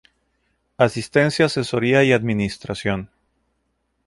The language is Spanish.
Asistencia Asesoría y Administración